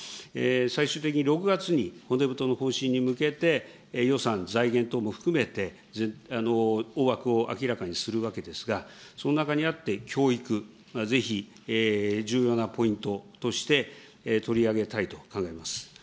最終的に６月に、骨太の方針に向けて、予算、財源等も含めて、大枠を明らかにするわけですが、その中にあって、教育、ぜひ重要なポイントとして、取り上げたいと考えます。